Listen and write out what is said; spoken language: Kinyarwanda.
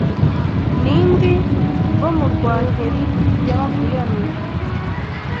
N indi bo mu Rwankeli y’Abaguyane